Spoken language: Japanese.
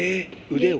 腕を？